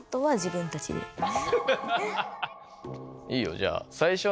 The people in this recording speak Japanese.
いいよじゃあはい。